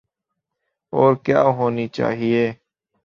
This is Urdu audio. اور کیا ہونی چاہیے۔